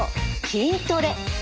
筋トレ。